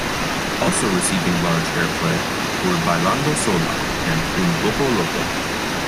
Also receiving large airplay were "Bailando Sola" and "Un Poco Loco".